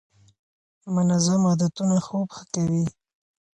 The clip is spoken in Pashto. منظم عادتونه خوب ښه کوي.